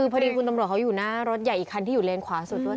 พอดีคุณตำรวจเขาอยู่หน้ารถใหญ่อีกคันที่อยู่เลนขวาสุดด้วย